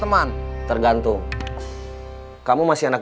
pasangin tempatnya keveng degaran